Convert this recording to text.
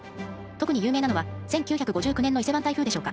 特に有名なのは１９５９年の伊勢湾台風でしょうか。